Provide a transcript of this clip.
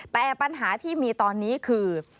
แต่ปัญหาที่มีตอนนี้คือ